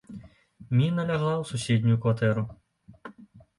Міна лягла ў суседнюю кватэру.